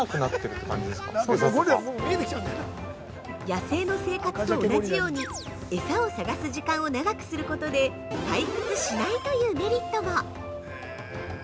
◆野生の生活と同じように餌を探す時間を長くすることで退屈しないというメリットも。